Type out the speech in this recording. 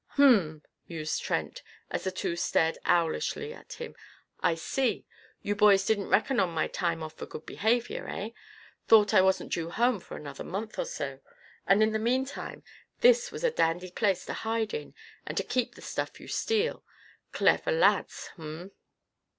"H'm!" mused Trent, as the two stared owlishly at him. "I see. You boys didn't reckon on my time off for good behaviour, eh? Thought I wasn't due home for another month or so; and in the meantime this was a dandy place to hide in and to keep the stuff you steal? Clever lads! H'm!"